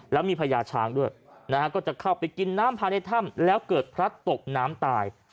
แล้วมีพญาช้างด้วยนะฮะก็จะเข้าไปกินน้ำภายในถ้ำแล้วเกิดพลัดตกน้ำตาย